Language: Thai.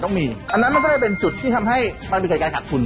ทุกอย่างมันจะใหญ่ตาม